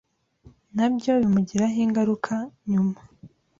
nabyo bimugiraho ingaruka nyuma